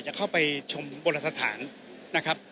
จะเข้าไปชมโบราณสถานนะครับ